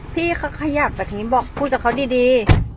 พี่เขาขยับแบบนี้บอกพูดกับเขาดี